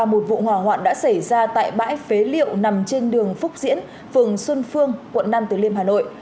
một vụ hỏa hoạn đã xảy ra tại bãi phế liệu nằm trên đường phúc diễn phường xuân phương quận năm từ liêm hà nội